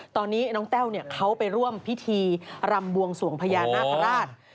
ตอนนี้น้องแต้วเขาไปร่วมพิธีรำบวงสวงพญานาคาราช